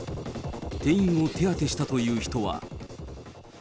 店員を手当てしたという人は。